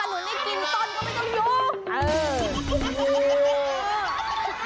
มาครั้งนี้มันจะมากินกินขนุนครับ